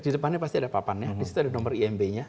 di depannya pasti ada papannya di situ ada nomor imb nya